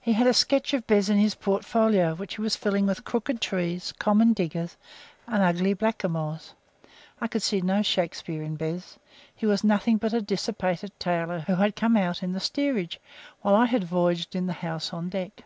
He had a sketch of Bez in his portfolio, which he was filling with crooked trees, common diggers, and ugly blackamoors. I could see no Shakespeare in Bez; he was nothing but a dissipated tailor who had come out in the steerage, while I had voyaged in the house on deck.